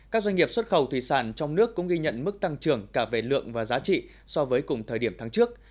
các doanh nghiệp xuất khẩu thủy sản trong nước cũng ghi nhận mức tăng trưởng cả về lượng và giá trị so với cùng thời điểm tháng trước